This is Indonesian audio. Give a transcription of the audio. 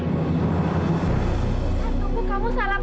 sar tunggu kamu salah paham